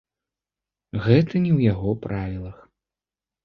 Гэта не ў яго правілах.